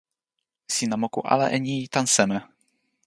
sina moku ala e ni tan seme?